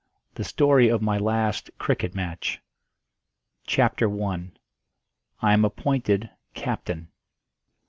THE STORY OF MY LAST CRICKET MATCH. CHAPTER I. I AM APPOINTED CAPTAIN.